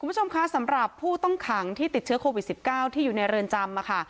คุณผู้ชมคะสำหรับผู้ต้องขังที่ติดเชื้อโควิด๑๙ที่อยู่ในเรือนจำค่ะ